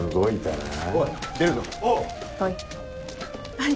はい。